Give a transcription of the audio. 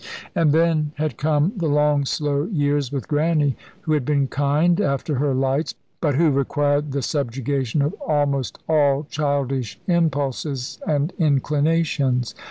And then had come the long, slow years with Grannie, who had been kind after her lights, but who required the subjugation of almost all childish impulses and inclinations.